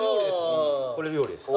これ料理です。